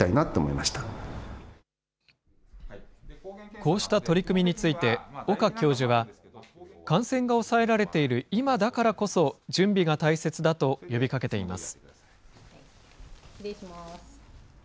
こうした取り組みについて、岡教授は、感染が抑えられている今だからこそ、準備が大切だと呼びかけています。